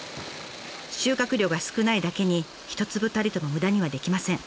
収穫量が少ないだけに一粒たりとも無駄にはできません。